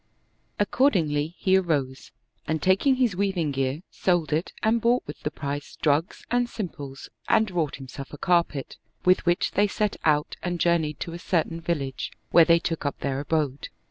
Accordingly, he arose and taking his weaving gear, sold it and bought with the price drugs and simples and wrought himself a carpet, with which they set out and journeyed to a certain village, where they took up their abode.